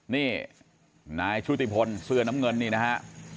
นี่นายชุติพลเสื้อน้ำเงินนี่นะฮะ